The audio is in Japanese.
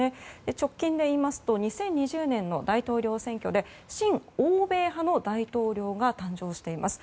直近でいいますと２０２０年の大統領選挙で親欧米派の大統領が誕生しています。